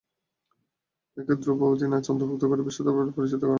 একে ধ্রুপদি নাচে অন্তর্ভুক্ত করেন এবং বিশ্বদরবারে পরিচিত করান রবীন্দ্রনাথ ঠাকুর।